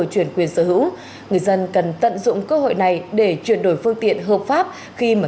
chuyển quyền sở hữu người dân cần tận dụng cơ hội này để chuyển đổi phương tiện hợp pháp khi mà